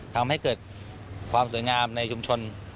ทำให้เกิดความสวยงามในชุมชน